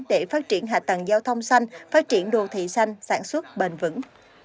để phát triển hạ tầng giao thông xanh phát triển đồ thị xanh sản xuất bền vững